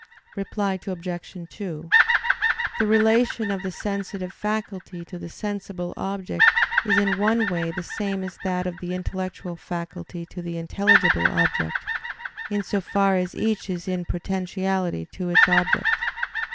Reply Obj. 2: The relation of the sensitive faculty to the sensible object is in one way the same as that of the intellectual faculty to the intelligible object, in so far as each is in potentiality to its object.